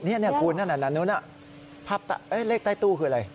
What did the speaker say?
นี่คุณนั่นนู้นภาพเลขใต้ตู้คืออะไร